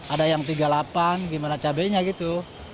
ada yang tiga puluh delapan gimana cabainya gitu